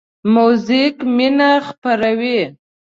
موزیک مینه خپروي.